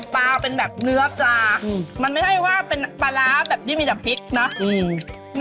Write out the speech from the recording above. ปลาเป็นแบบเนื้อปลามันไม่ใช่ว่าเป็นปลาร้าแบบที่มีแต่พริกเนอะ